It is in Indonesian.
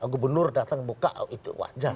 gubernur datang buka itu wajar